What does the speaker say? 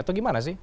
atau bagaimana sih